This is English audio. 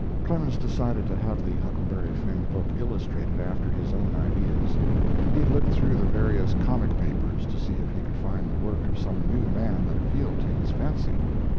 Clemens decided to have the Huckleberry Finn book illustrated after his own ideas. He looked through the various comic papers to see if he could find the work of some new man that appealed to his fancy.